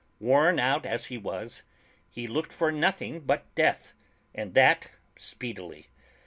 Worn out as he was, he looked for nothing but death, and that speedily.